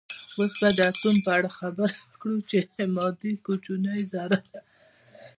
اوس به د اتوم په اړه خبرې وکړو چې د مادې کوچنۍ ذره ده